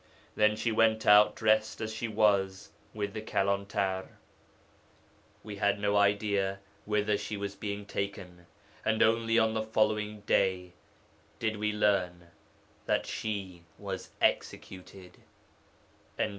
Then she went out dressed as she was with the Kalantar; we had no idea whither she was being taken, and only on the following day did we learn that she was executed.'